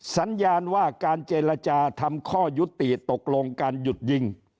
สัญญาณว่าการเจรจาทำข้อยุติตกลงการหยุดยิง